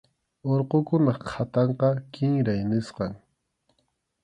Urqukunap qhatanqa kinray nisqam.